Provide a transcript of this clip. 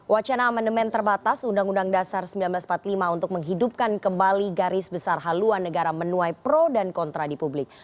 wacana amandemen terbatas undang undang dasar seribu sembilan ratus empat puluh lima untuk menghidupkan kembali garis besar haluan negara menuai pro dan kontra di publik